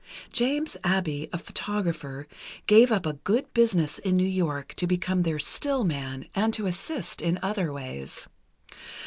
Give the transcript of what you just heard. James Abbe, a photographer, gave up a good business in New York to become their "still" man, and to assist in other ways.